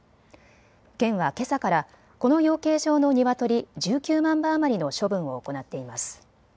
県はけさからこの養鶏場のニワトリ１９万羽余りの処分を行っています。